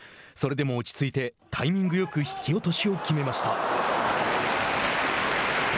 それでも落ち着いてタイミングよく引き落としを決めました。